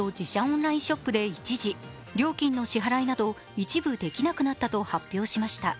オンラインショップで料金の支払いなど一部できなくなったと発表しました。